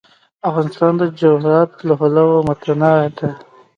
افغانستان د جواهرات له پلوه متنوع دی.